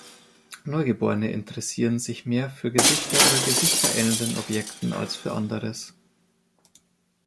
Neugeborene interessieren sich mehr für Gesichter oder Gesichter ähnelnden Objekten als für Anderes.